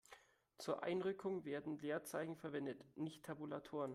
Zur Einrückung werden Leerzeichen verwendet, nicht Tabulatoren.